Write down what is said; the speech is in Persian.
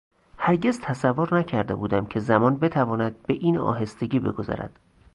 هرگز تصور نکرده بودم که زمان بتواند به این آهستگی بگذرد.